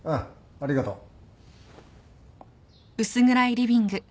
ありがとう。